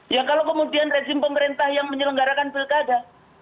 ya kalau kemudian rezim pemerintah yang menyelenggarakan pilkada